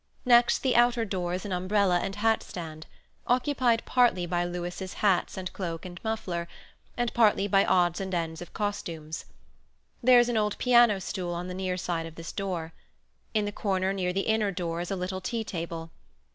Next the outer door is an umbrella and hat stand, occupied partly by Louis' hats and cloak and muffler, and partly by odds and ends of costumes. There is an old piano stool on the near side of this door. In the corner near the inner door is a little tea table.